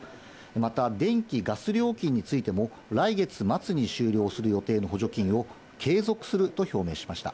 また電気、ガス料金についても来月末に終了する予定の補助金を継続すると表明しました。